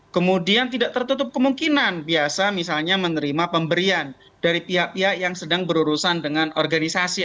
kemudian tidak tertutup kemungkinan biasa misalnya menerima pemberian dari pihak pihak yang sedang berurusan dengan organisasi